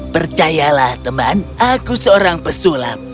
percayalah teman aku seorang pesulap